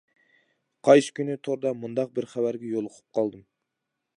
قايسى كۈنى توردا مۇنداق بىر خەۋەرگە يولۇقۇپ قالدىم.